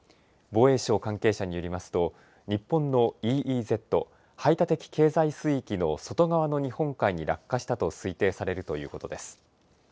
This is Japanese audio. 防衛省関係者によりますと、日本のＥＥＺ・排他的経済水域の外側の日本海に落下したと推定されるということです。